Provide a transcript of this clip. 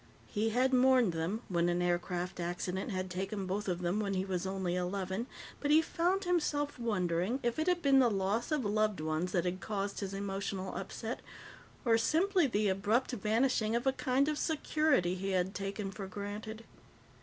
He had mourned them when an aircraft accident had taken both of them when he was only eleven, but he found himself wondering if it had been the loss of loved ones that had caused his emotional upset or simply the abrupt vanishing of a kind of security he had taken for granted.